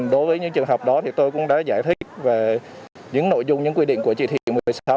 đối với tám phường tại thành phố biên hòa